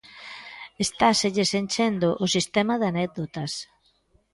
Estáselles enchendo o sistema de anécdotas.